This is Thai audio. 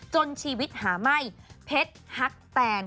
จนชีวิตหาไหม้เพชรฮักแตน